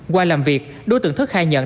qua làm việc đối tượng thức khai nhận